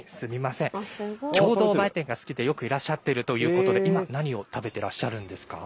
共同売店が好きでよくいらっしゃってるということで今何を食べてらっしゃるんですか？